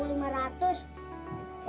dua bulan berarti rp sembilan ya